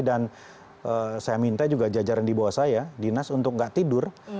dan saya minta juga jajaran di bawah saya dinas untuk nggak tidur